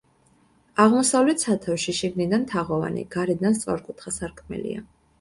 აღმოსავლეთ სათავსში შიგნიდან თაღოვანი, გარედან სწორკუთხა სარკმელია.